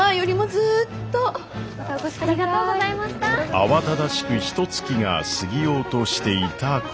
慌ただしくひとつきが過ぎようとしていた頃。